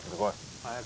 早く。